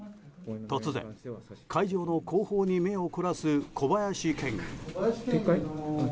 突然、会場の後方に目を凝らす小林県議。